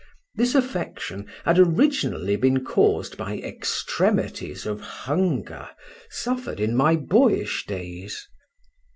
This affection had originally been caused by extremities of hunger, suffered in my boyish days.